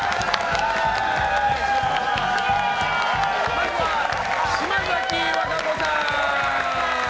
まずは、島崎和歌子さん。